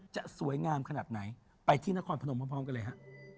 จะสวยงามขนาดไหนไปที่นครพนมพร้อมกันเลยฮะ